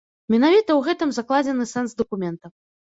Менавіта ў гэтым закладзены сэнс дакумента.